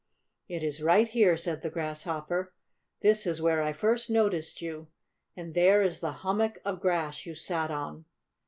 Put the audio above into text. "It is right here," said the Grasshopper. "This is where I first noticed you. And there is the hummock of grass you sat on."